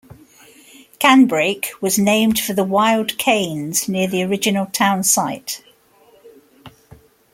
Canbrake was named for the wild canes near the original town site.